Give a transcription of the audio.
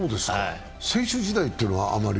選手時代というのはあまり？